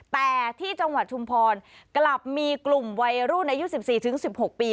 แต่ที่จังหวัดชุมพรกลับมีกลุ่มวัยรุ่นอายุ๑๔๑๖ปี